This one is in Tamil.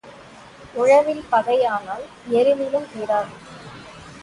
உழவில் பகை ஆனால் எருவிலும் தீராது.